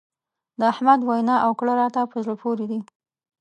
د احمد وينا او کړه راته په زړه پورې دي.